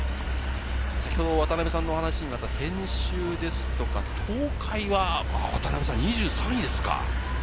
先ほど渡辺さんの話にもあった専修ですとか、東海は２３位ですか。